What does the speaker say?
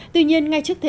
tuy nhiên ngay trước thế